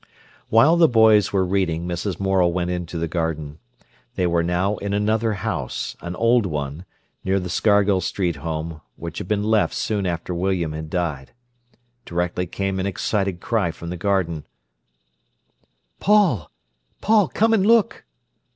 While the boys were reading, Mrs. Morel went into the garden. They were now in another house, an old one, near the Scargill Street home, which had been left soon after William had died. Directly came an excited cry from the garden: "Paul! Paul! come and look!"